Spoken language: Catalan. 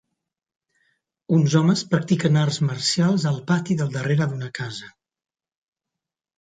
Uns homes practiquen arts marcials al pati del darrere d'una casa.